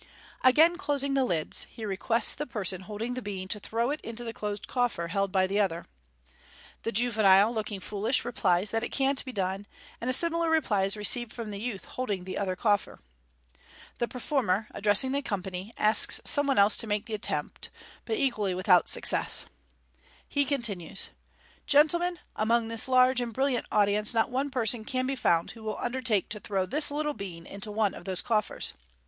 Again closing the lids, he requests the person holding the bean to throw it into the closed coffer held by the other. The juvenile, looking foolish, replies that it can't be done j and a similar reply is received from the youth holding the other coffer. The performer, addressing the company, asks some one else to make the attempt, but equally without success. He continues, n Gentlemen, among this large and brilliant audience not one person can be found who will undertake to throw this little bean into one of those coffers.